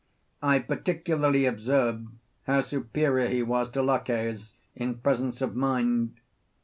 I particularly observed how superior he was to Laches in presence of mind.